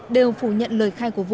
đều phủ nhận lời khai của vũ